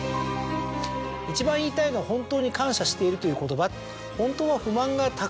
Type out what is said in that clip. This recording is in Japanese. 「一番言いたいのは本当に感謝しているという言葉？」。